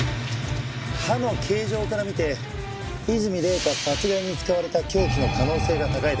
刃の形状から見て和泉礼香殺害に使われた凶器の可能性が高いです。